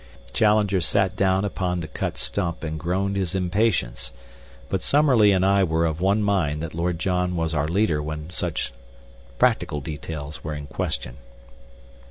Challenger sat down upon the cut stump and groaned his impatience; but Summerlee and I were of one mind that Lord John was our leader when such practical details were in question.